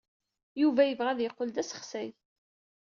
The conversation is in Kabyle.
Yuba yebɣa ad yeqqel d asexsay.